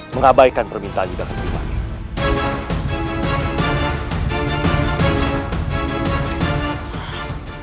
mengabaikan permintaan yunda ketrimani